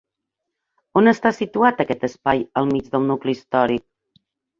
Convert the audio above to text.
On està situat aquest espai al mig del nucli històric?